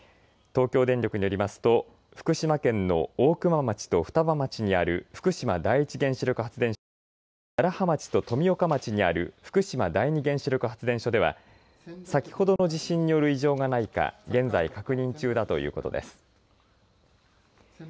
東京電力によりますと福島県の大熊町と双葉町にある福島第一原子力発電所と楢葉町と富岡町にある福島第二原子力発電所では先ほどの地震による異常がないか現在、確認中だということです。